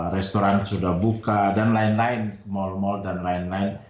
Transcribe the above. restoran sudah buka dan lain lain mal mal dan lain lain